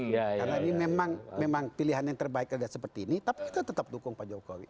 karena ini memang pilihan yang terbaik tidak seperti ini tapi kita tetap dukung pak jokowi